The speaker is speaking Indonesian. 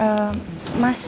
terima kasih siap